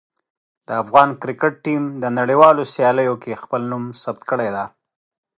د افغان کرکټ ټیم د نړیوالو سیالیو کې خپل نوم ثبت کړی دی.